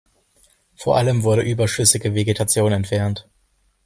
Vor allem wurde überschüssige Vegetation entfernt.